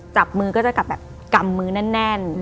จับมือก็จะกลับแบบกำมือแน่น